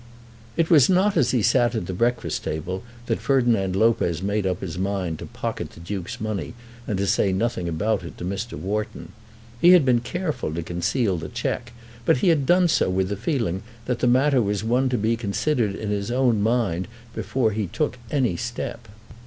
It was not as he sat at the breakfast table that Ferdinand Lopez made up his mind to pocket the Duke's money and to say nothing about it to Mr. Wharton. He had been careful to conceal the cheque, but he had done so with the feeling that the matter was one to be considered in his own mind before he took any step.